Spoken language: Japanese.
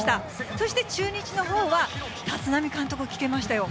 そして中日のほうは、立浪監督、聞けましたよ。